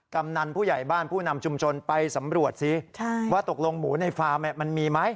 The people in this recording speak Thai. กำนันผู้ใหญ่บ้านผู้นำชุมชนไปสำรวจสิว่าตกลงหมูในฟาร์มมันมีไหม